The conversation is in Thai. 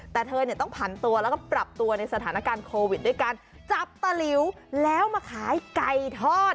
แต่เธอเนี่ยต้องผันตัวแล้วก็ปรับตัวในสถานการณ์โควิดด้วยการจับตะหลิวแล้วมาขายไก่ทอด